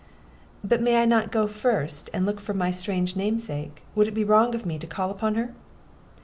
"But may I not go first and look for my strange namesake? Would it be wrong of me to call upon her?"